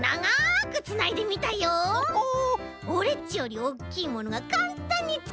オレっちよりおおきいものがかんたんにつくれちゃった。